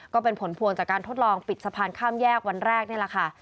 ก็เป็นผลพวงจากการทดลองปิดสะพานข้ามแยกวันแรกนี่แหละค่ะ